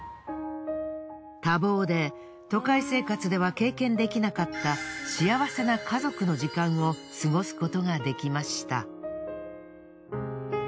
多忙で都会生活では経験できなかった幸せな家族の時間を過ごすことができました。